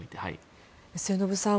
末延さん